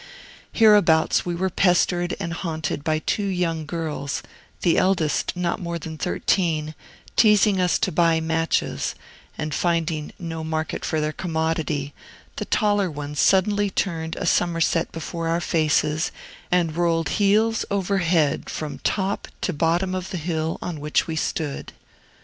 Hereabouts we were pestered and haunted by two young girls, the eldest not more than thirteen, teasing us to buy matches; and finding no market for their commodity, the taller one suddenly turned a somerset before our faces, and rolled heels over head from top to bottom of the hill on which we stood.